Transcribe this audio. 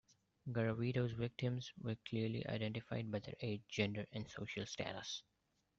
Garavito's victims were clearly identified by their age, gender and social status.